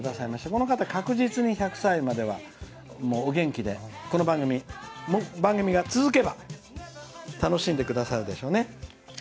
この方、確実に１００歳まではお元気で、この番組が続けば楽しんでくださるでしょうね。